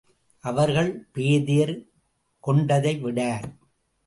அவர்கள் பேதையர் கொண்டதை விடார்!